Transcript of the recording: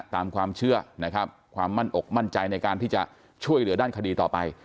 ตามความเชื่อนะครับความมั่นอกมั่นใจในการที่จะช่วยเหลือด้านคดีต่อไป